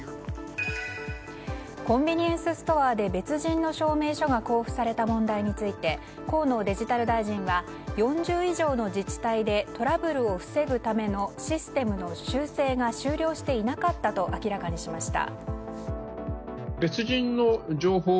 コンビニエンスストアで別人の証明書が交付された問題について河野デジタル大臣は４０以上の自治体でトラブルを防ぐためのシステムの修正が終了していなかったと明らかにしました。